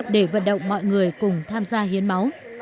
để vận động mọi người cùng tham gia hiến máu